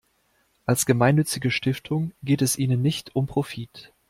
Als gemeinnützige Stiftung geht es ihnen nicht um Profit.